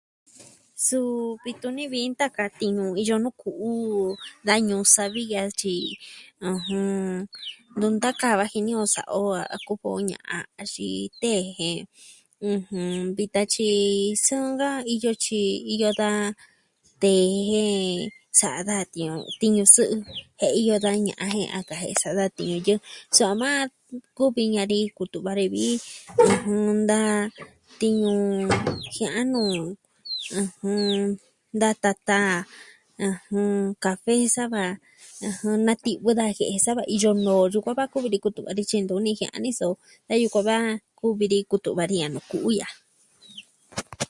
Suu, vii tuni vi iin ta ka tiñu nuu ku'u. Da ñuu savi ya'a tyi, Nuu ntaka vaji ni o sa'a o a kuku o ña'an, axin tee je. Vitan tyi sɨɨn ka iyo tyi, iyo da... tee je, sa'a da tiuun, ti.ñu sɨ'ɨ Jen iyo da ña'a jen a kajie'e sa'a da tiñu yɨɨ. Soma, kuvi ñaa ni kutu'va ni vi, da tiñu, jiaa nu. Da tata, kafe saa va, na ti'vɨ da jie'e sava iyo noo sukuan va kuvi ni kutu'va di tyee ndo nijian ni so. Jen yukuan va kuvi ni kutu'va ni a nuu ku'u ya'a.